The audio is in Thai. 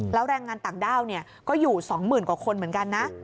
แล้วแรงงานต่างด้าวก็อยู่๒๐๐๐กว่าคนเหมือนกันนะ